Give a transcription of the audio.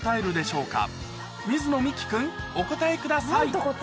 お答えくださいえっと。